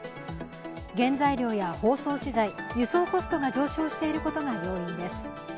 原材料や包装資材、輸送コストが上昇していることが要因です。